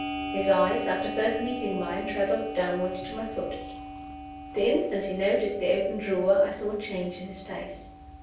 His eyes, after first meeting mine, traveled downward to my foot. The instant he noticed the open drawer I saw a change in his face.